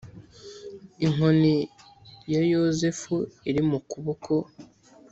inkoni ya Yozefu iri mu kuboko